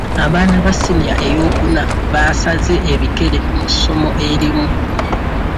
Abaana ba siniya ey'okuna baasaze ebikere mu ssomo erimu.